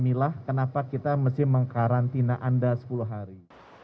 inilah kenapa kita mesti mengkarantina anda sepuluh hari